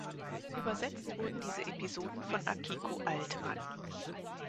Übersetzt wurden diese Episoden von Akiko Altmann.